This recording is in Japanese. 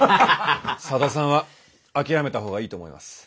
佐田さんは諦めた方がいいと思います。